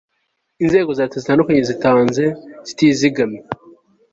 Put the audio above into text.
inzego za leta zitandukanye zitanze zitizigamye